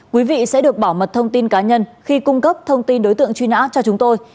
quý vị sẽ được bảo mật thông tin cá nhân khi cung cấp thông tin đối tượng truy nã cho chúng tôi